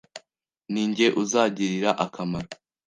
ni njye uzagirira akamaro,